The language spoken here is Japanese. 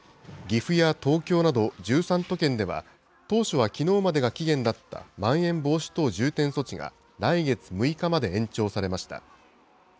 岐阜や東京など１３都県では、当初はきのうまでが期限だったまん延防止等重点措置が来月６日まで延長されました。